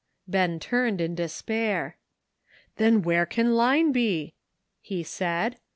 Ben turned in despair. "Then where can Line be?" he said.